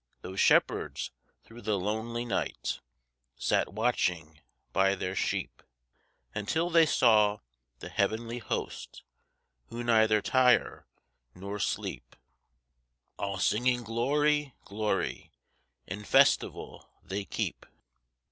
Those shepherds thro' the lonely night Sat watching by their sheep, Until they saw the heav'nly host Who neither tire nor sleep, All singing Glory, glory, In festival they keep.